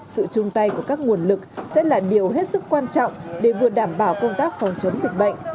sự chung tay của các nguồn lực sẽ là điều hết sức quan trọng để vừa đảm bảo công tác phòng chống dịch bệnh